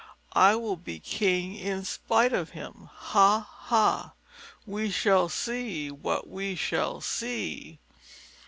I will be king in spite of him. Ha ha! We shall see what we shall see!"